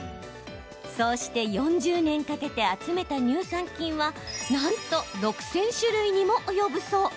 そうして４０年かけて集めた乳酸菌はなんと６０００種類にも及ぶそう。